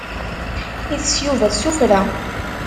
Itess Yuba s tuffra.